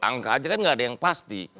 angka aja kan nggak ada yang pasti